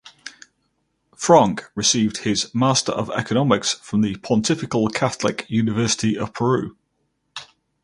Francke received his Master of Economics from the Pontifical Catholic University of Peru.